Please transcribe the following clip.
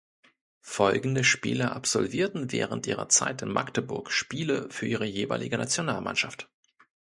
Folgende Spieler absolvierten während ihrer Zeit in Magdeburg Spiele für ihre jeweilige Nationalmannschaft.